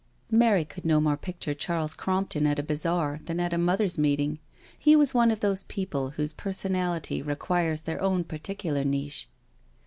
Mary could no more picture Charles Crompton at' a bazaar than at a Mothers' Meeting. He was one of those people whose per sonality requires their own particular niche.